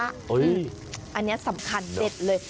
อันนี้สำคัญเด็ดเลย